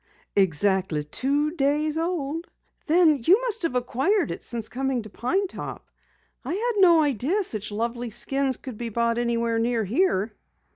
"Exactly two days old." "Then you must have acquired it since coming to Pine Top. I had no idea such lovely skins could be bought anywhere near here."